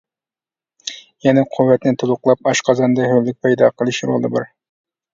يەنە قۇۋۋەتنى تولۇقلاپ، ئاشقازاندا ھۆللۈك پەيدا قىلىش رولى بار.